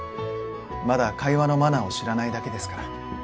まだ会話のマナーを知らないだけですから。